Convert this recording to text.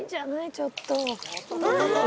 ちょっと。